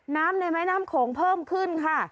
ในแม่น้ำโขงเพิ่มขึ้นค่ะ